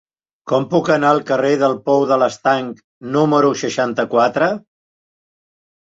Com puc anar al carrer del Pou de l'Estanc número seixanta-quatre?